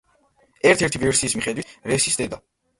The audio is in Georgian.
ერთ-ერთი ვერსიის მიხედვით რესის დედა.